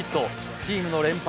チームの連敗